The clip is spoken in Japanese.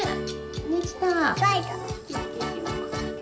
できた！